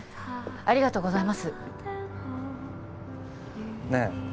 ありがとうございますねえ